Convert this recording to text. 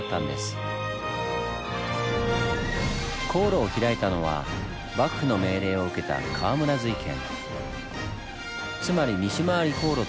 航路を開いたのは幕府の命令を受けた河村瑞賢。